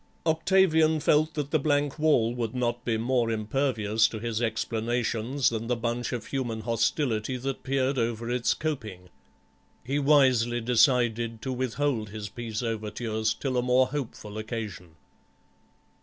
Octavian felt that the blank wall would not be more impervious to his explanations than the bunch of human hostility that peered over its coping; he wisely decided to withhold his peace overtures till a more hopeful occasion.